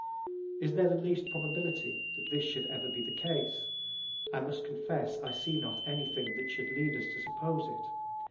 Is there the least probability that [this] should ever be the case? I must confess I see not any thing that should lead us to suppose it.